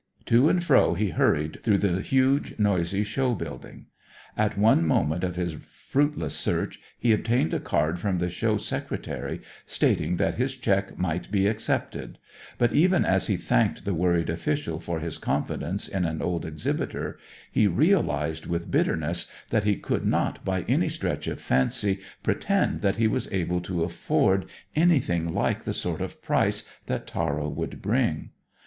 To and fro he hurried through the huge, noisy show building. At one moment of his fruitless search he obtained a card from the Show Secretary stating that his cheque might be accepted; but even as he thanked the worried official for his confidence in an old exhibitor, he realized with bitterness that he could not by any stretch of fancy pretend that he was able to afford anything like the sort of price that Tara would bring.